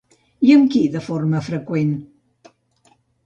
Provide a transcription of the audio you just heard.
I amb qui de forma freqüent?